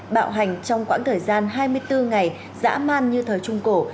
bạo hành trong quãng thời gian hai mươi bốn ngày dã man như thời trung cổ